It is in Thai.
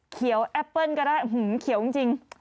เขียวแอปเปิ้ลก็ได้หื้มเขียวจริง